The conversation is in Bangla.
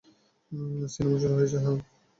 সিনেমা শুরু হয়েছে, - হ্যাঁ।